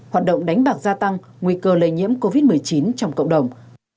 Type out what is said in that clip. hoạt động đánh bạc gia tăng nguy cơ lây nhiễm covid một mươi chín trong cộng đồng